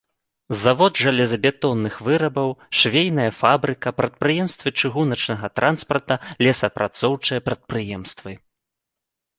Завод жалезабетонных вырабаў, швейная фабрыка, прадпрыемствы чыгуначнага транспарта, лесаапрацоўчыя прадпрыемствы.